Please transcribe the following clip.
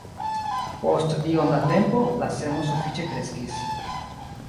Post iom da tempo, la semo sufiĉe kreskis.